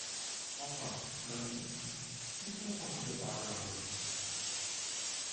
Enfin, lundi, il consentit à parler à un médecin.